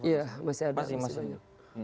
iya masih ada